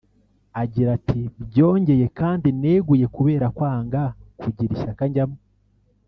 agira ati “Byongeye kandi neguye kubera kwanga kugira ishyaka njyamo